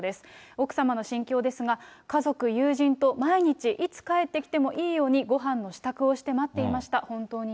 奥様の心境ですが、家族、友人と毎日、いつ帰ってきてもいいように、ごはんの支度をして待っていました。